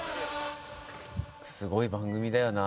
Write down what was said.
すごい番組だよな。